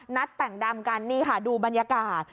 แต่งดำกันนี่ค่ะดูบรรยากาศ